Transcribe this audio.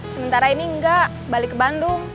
sementara ini enggak balik ke bandung